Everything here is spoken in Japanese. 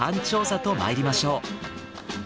調査とまいりましょう。